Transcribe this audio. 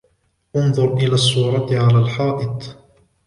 انظر إلى الصورة على الحائط.